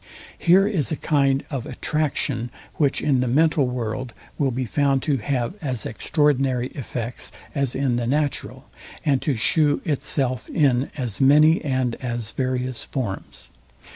Here is a kind of ATTRACTION, which in the mental world will be found to have as extraordinary effects as in the natural, and to shew itself in as many and as various forms.